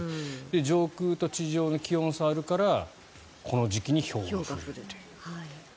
上空と地上の気温差があるからこの時期にひょうが降るという。